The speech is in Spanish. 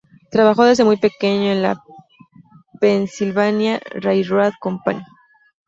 Trabajó desde muy pequeño en la Pennsylvania Railroad Company.